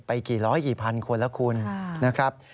กี่ร้อยกี่พันคนแล้วคุณนะครับ